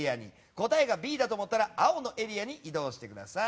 答えがＢだと思ったら青のエリアに移動してください。